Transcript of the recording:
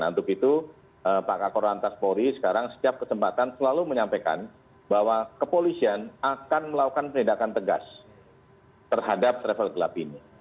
untuk itu pak kakor lantas polri sekarang setiap kesempatan selalu menyampaikan bahwa kepolisian akan melakukan penindakan tegas terhadap travel gelap ini